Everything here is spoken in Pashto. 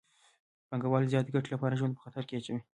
پانګوال د زیاتې ګټې لپاره ژوند په خطر کې اچوي